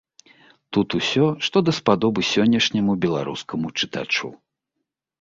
Тут усё, што даспадобы сённяшняму беларускаму чытачу.